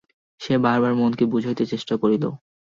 সে বার বার মনকে বুঝাইতে চেষ্টা করিল।